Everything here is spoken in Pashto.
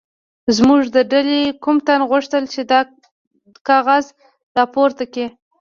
زموږ د ډلې کوم تن غوښتل چې دا کاغذ راپورته کړي.